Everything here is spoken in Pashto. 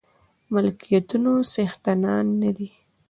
ملکيتونو څښتنان نه دي.